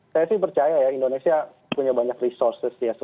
saya sih percaya ya indonesia punya banyak resources ya